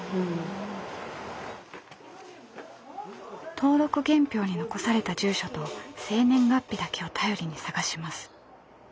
登録原票に残された住所と生年月日だけを頼りに探します。